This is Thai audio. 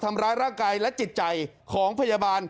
ทำร้ายร่างกายและจิตใจของพยาบาล